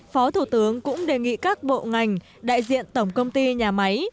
phó thủ tướng cũng đề nghị các bộ ngành đại diện tổng công ty nhà máy